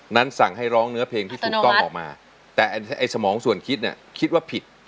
สั่งให้ร้องเนื้อเพลงที่ถูกต้องออกมาแต่ไอ้สมองส่วนคิดเนี่ยคิดว่าผิด